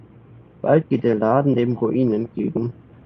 Bald geht der Laden dem Ruin entgegen.